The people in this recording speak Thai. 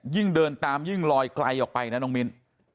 เดินตามยิ่งลอยไกลออกไปนะน้องมิ้น